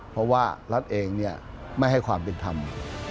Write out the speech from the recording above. เพราะว่ารัฐเองไม่ให้ความผิดทำ